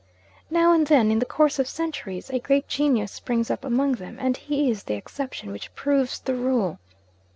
Now and then, in the course of centuries, a great genius springs up among them; and he is the exception which proves the rule.